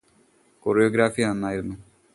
choreography നന്നായിരുന്നു